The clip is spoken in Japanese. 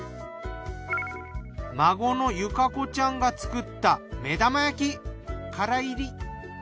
孫の由香子ちゃんが作った目玉焼き殻入り。